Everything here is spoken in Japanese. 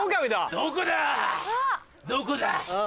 どこだ！